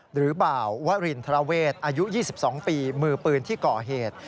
หรือเบาวรินทราเวทอายุ๒๒ปีมือปืนที่ก่อเหตุ